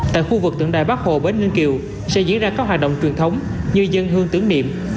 tại khu vực tượng đài bắc hồ bến ninh kiều sẽ diễn ra các hoạt động truyền thống như dân hương tưởng niệm